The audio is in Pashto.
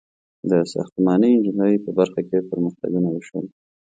• د ساختماني انجینرۍ په برخه کې پرمختګونه وشول.